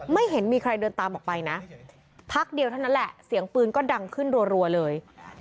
ไม่เห็นมีใครเดินตามออกไปนะพักเดียวเท่านั้นแหละเสียงปืนก็ดังขึ้นรัวเลย